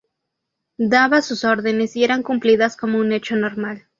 Daba sus órdenes y eran cumplidas como un hecho normal.